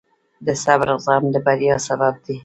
د صبر زغم د بریا سبب دی.